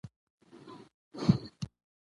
ګل غوټۍ ، گرانه ، گل اندامه ، گلبدنه ، گل لمنه ،